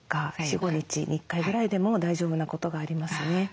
３４日４５日に１回ぐらいでも大丈夫なことがありますね。